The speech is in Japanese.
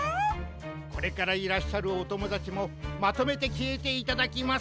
これからいらっしゃるおともだちもまとめてきえていただきます。